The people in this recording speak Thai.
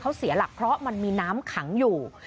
เขาเสียหลักเพราะมันมีน้ำขังอยู่